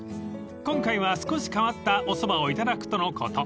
［今回は少し変わったおそばをいただくとのこと］